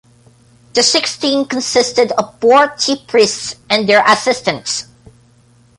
The sixteen consisted of four chief priests and their assistants.